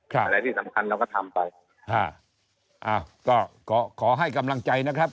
อะไรที่สำคัญเราก็ทำไปอ่าก็ขอขอให้กำลังใจนะครับ